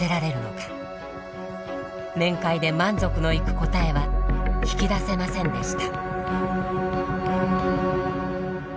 面会で満足のいく答えは引き出せませんでした。